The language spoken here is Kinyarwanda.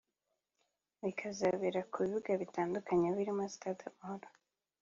ikazabera ku bibuga bitandukanye birimo Stade Amahoro